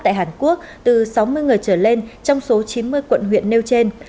tại hàn quốc từ sáu mươi người trở lên trong số chín mươi quận huyện nêu trên